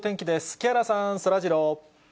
木原さん、そらジロー。